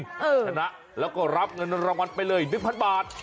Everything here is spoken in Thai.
ชนะแล้วก็รับเงินรางวัลไปเลย๑๐๐บาท